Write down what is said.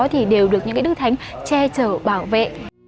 thì đều được những cái đức thánh che chở bảo vệ